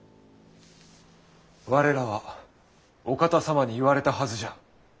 我らはお方様に言われたはずじゃ。